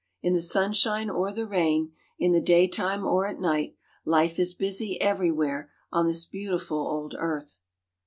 In the sunshine or the rain, in the daytime or at night, life is busy everywhere on this beautiful old earth.